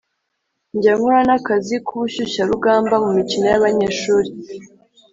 njya nkora n’akazi k’ubushyushyarugamba mu mikino yabanyeshuli